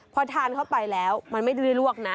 พอทานเข้าไปแล้วมันไม่ได้ลวกนะ